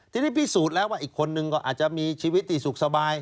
ทีนี้พิสูจน์แล้วว่าอีกคนนึงก็อาจจะมีชีวิตที่สุขสบาย